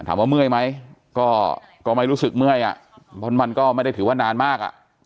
เมื่อยไหมก็ไม่รู้สึกเมื่อยอ่ะเพราะมันก็ไม่ได้ถือว่านานมากอ่ะ